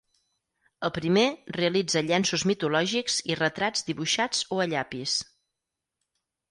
El primer realitza llenços mitològics i retrats dibuixats o a llapis.